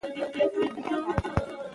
د زده کړې مور کورنۍ ته اعتماد ورکوي.